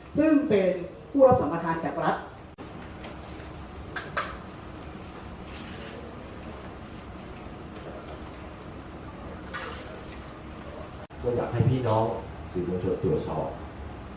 ซึ่งเป็นผู้รับสัมประธานจากรัฐ